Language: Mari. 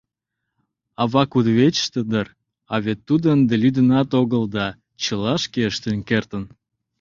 Ава кудывечыште дыр, а вет тудо ынде лӱдынат огыл да чыла шке ыштен кертын!